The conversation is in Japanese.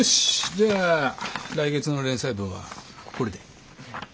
じゃあ来月の連載分はこれで。